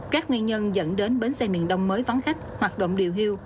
các nguyên nhân dẫn đến bến xe miền đông mới vắng khách hoạt động điều hưu